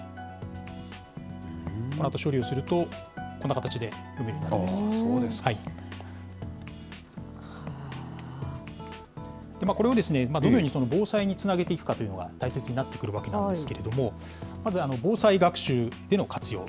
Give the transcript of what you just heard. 処理をすると、こんな形で。これをですね、どのように防災につなげていくかというのが大切になってくるわけなんですけれども、まず防災学習での活用。